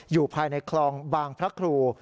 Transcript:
อยู่ภายในคลองบางพระครู